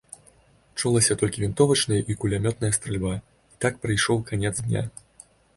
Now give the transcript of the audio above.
Чулася толькі вінтовачная і кулямётная стральба, і так прыйшоў канец дня.